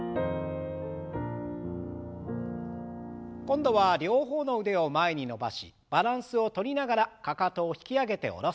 今度は両方の腕を前に伸ばしバランスをとりながらかかとを引き上げて下ろす運動。